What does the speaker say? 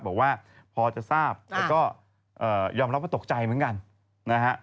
บอกว่าพอจะทราบแล้วก็ยอมรับว่าตกใจเหมือนกันนะฮะ